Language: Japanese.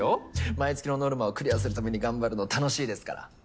毎月のノルマをクリアするために頑張るの楽しいですから。